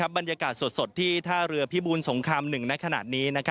บรรยากาศสดที่ท่าเรือพิบูลสงคราม๑ในขณะนี้